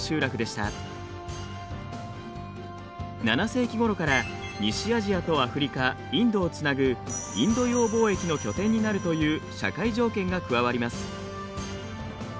７世紀ごろから西アジアとアフリカインドをつなぐインド洋貿易の拠点になるという社会条件が加わります。